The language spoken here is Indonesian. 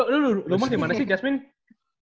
lo lo rumah dimana sih jasmine